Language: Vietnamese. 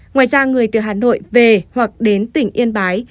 ngoài ra người từ hà nội về hoặc đến tỉnh yên bái